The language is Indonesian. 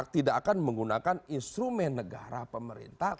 tidak akan menggunakan instrumen negara pemerintah